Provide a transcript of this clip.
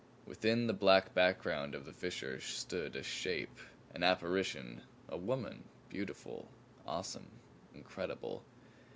Within the black background of the fissure stood a shape, an apparition, a woman beautiful, awesome, incredible!